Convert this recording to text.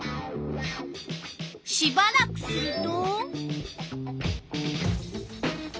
しばらくすると。